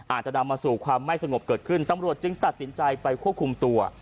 อาจจะนำมาสู่ความไม่สงบเกิดขึ้นตำรวจจึงตัดสินใจไปควบคุมตัว